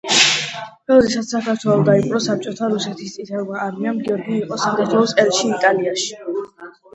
როდესაც საქართველო დაიპყრო საბჭოთა რუსეთის წითელმა არმიამ, გიორგი იყო საქართველოს ელჩი იტალიაში.